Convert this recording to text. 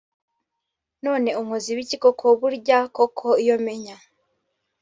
none unkoze ibiki koko byurya koko Iyo menya